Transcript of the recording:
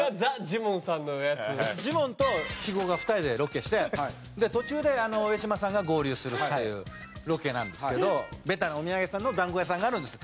ジモンと肥後が２人でロケして途中で上島さんが合流するっていうロケなんですけどベタなお土産屋さんの団子屋さんがあるんです。